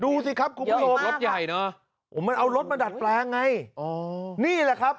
ดูสิครับคุณผู้ชมมันเอารถมาดัดปลาร์งไงนี่แหละครับ